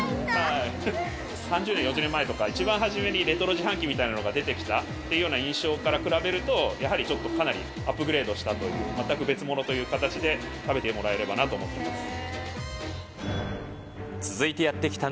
３０年、４０年前とか、一番初めにレトロ自販機みたいなのが出てきたときっていうような印象から比べると、やはりちょっとかなりアップグレードしたという、全く別物という形で食べてもらえればなと思っています。